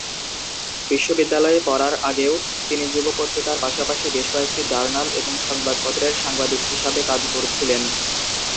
বিশ্ববিদ্যালয়ে পড়ার আগেও, তিনি যুব পত্রিকার পাশাপাশি বেশ কয়েকটি জার্নাল এবং সংবাদপত্রের সাংবাদিক হিসাবে কাজ করছিলেন।